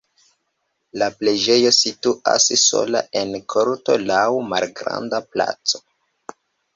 La preĝejo situas sola en korto laŭ malgranda placo.